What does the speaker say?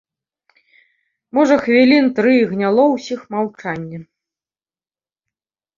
Можа, хвілін тры гняло ўсіх маўчанне.